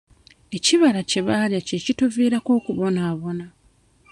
Ekibala kye baalya kye kituviirako okubonaabona.